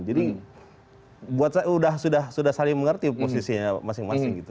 jadi buat saya sudah saling mengerti posisinya masing masing